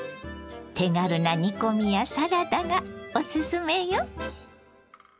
手軽な煮込みやサラダがおすすめよ。